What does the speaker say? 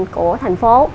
của thành phố